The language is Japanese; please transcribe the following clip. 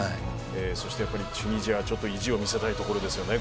そして、チュニジアちょっと意地を見せたいところですね。